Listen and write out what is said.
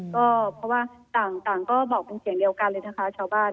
ก็เพราะว่าต่างก็บอกเป็นเสียงเดียวกันเลยนะคะชาวบ้าน